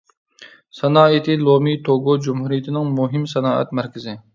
سانائىتى لومې توگو جۇمھۇرىيىتىنىڭ مۇھىم سانائەت مەركىزى.